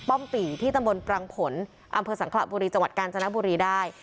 ปี่ที่ตำบลปรังผลอำเภอสังขระบุรีจังหวัดกาญจนบุรีได้